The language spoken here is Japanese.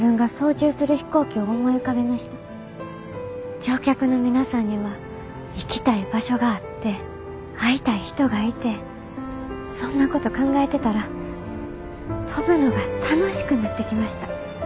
乗客の皆さんには行きたい場所があって会いたい人がいてそんなこと考えてたら飛ぶのが楽しくなってきました。